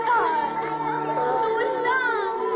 どうしたん？